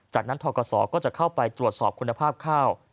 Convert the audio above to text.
จากนั้นทกศก็จะเข้าไปตรวจสอบคุณภาพข้าว